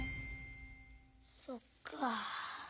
そっか。